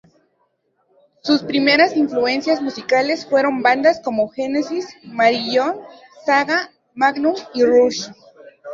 Sus primeras influencias musicales fueron bandas como Genesis, Marillion, Saga, Magnum y Rush.